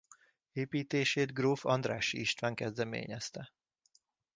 Építését gróf Andrássy István kezdeményezte.